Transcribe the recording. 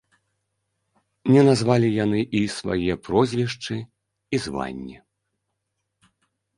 Не назвалі яны і свае прозвішчы і званні.